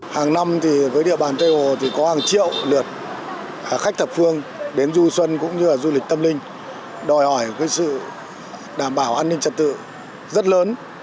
hàng năm thì với địa bàn tây hồ thì có hàng triệu lượt khách thập phương đến du xuân cũng như là du lịch tâm linh đòi hỏi sự đảm bảo an ninh trật tự rất lớn